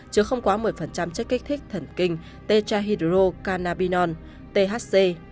chứ không quá một mươi chất kích thích thần kinh t trahidrocanabinol thc